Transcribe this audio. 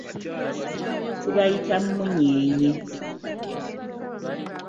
Tubayita munyenye.